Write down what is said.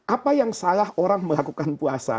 apa yang salah orang melakukan puasa